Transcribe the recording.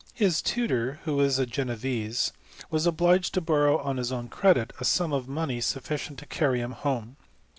His tutor, who was a Genevese, was obliged to borrow, on his own credit, a sum of money sufficient to carry him home.